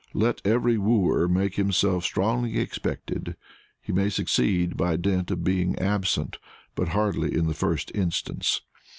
Let every wooer make himself strongly expected; he may succeed by dint of being absent, but hardly in the first instance.